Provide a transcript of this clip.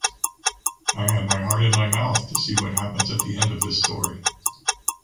I had my heart in my mouth to see what happens at the end of this story